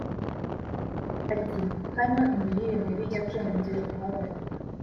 ati “Hano imirire mibi yakunze kuhaboneka